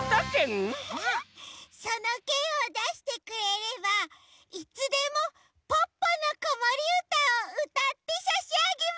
そのけんをだしてくれればいつでも「ポッポのこもりうた」をうたってさしあげます。